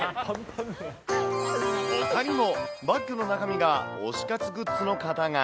ほかにもバッグの中身が推し活グッズの方が。